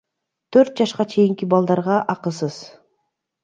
Төрт жашка чейинки балдарга акысыз.